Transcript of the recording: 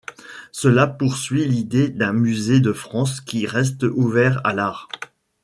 Cela poursuit l'idée d'un musée de France qui reste ouvert à l'art.